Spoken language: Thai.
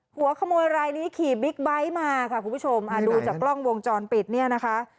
หัวขโมยรายนี้ขี่บิ๊กไบท์มาค่ะคุณผู้ชมดูจากกล้องวงจรปิดเนี่ยนะคะ